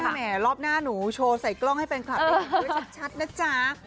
แสดงแหมรอบหน้าหนูโชว์ใส่กล้องให้แฟนคลับดูชัดนะจ๊ะ